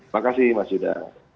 makasih mas yuda